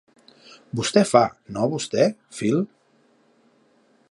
Vostè fa, no vostè, Phil?